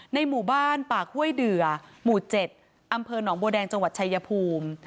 ในหมู่บ้านปากห้วยเดือหมู่๗อำเภอหนองบัวแดงจังหวัดชายภูมิ